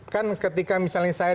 kan ketika misalnya saya